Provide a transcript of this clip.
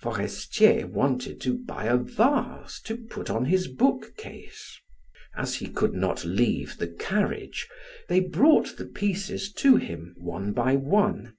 Forestier wanted to buy a vase to put on his bookcase. As he could not leave the carriage, they brought the pieces to him one by one.